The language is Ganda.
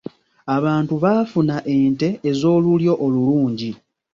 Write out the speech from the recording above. Abantu baafuna ente ez'olulyo olulungi.